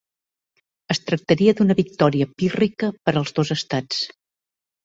Es tractaria d'una victòria pírrica per als dos estats.